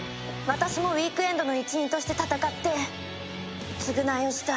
私もウィークエンドの一員として戦って償いをしたい。